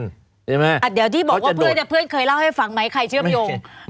เดี๋ยวที่บอกว่าเพื่อนเคยเล่าให้ฟังไหมใครเชื่อมโยง